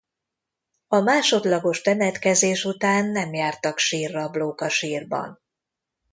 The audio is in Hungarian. A másodlagos temetkezés után nem jártak sírrablók a sírban.